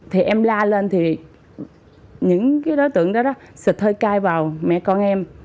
thì em la lên thì những đối tượng đó sụt hơi cai vào mẹ con em